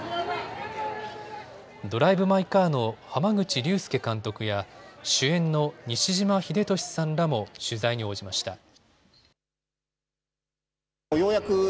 ドライブ・マイ・カーの濱口竜介監督や主演の西島秀俊さんらも取材に応じました。